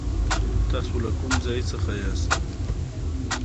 هغه خپله د پیسو پانګه په مولده پانګه بدلوي